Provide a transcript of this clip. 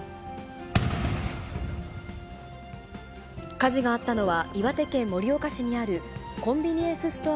火事があったのは岩手県盛岡市にあるコンビニエンスストア